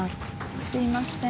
すいません。